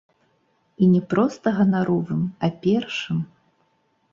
І не проста ганаровым, а першым.